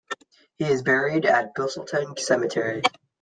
He is buried at Busselton Cemetery.